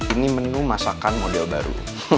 ini menu masakan model baru